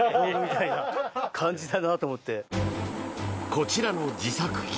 こちらの自作機